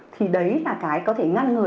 thì đấy là cái có thể ngăn ngừa